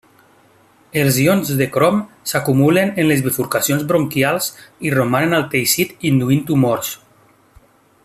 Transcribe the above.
Els ions de crom s'acumulen en les bifurcacions bronquials i romanen al teixit induint tumors.